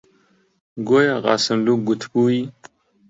گۆیا قاسملوو گوتبووی: